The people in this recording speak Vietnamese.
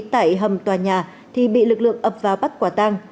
tại hầm tòa nhà thì bị lực lượng ập vào bắt quả tang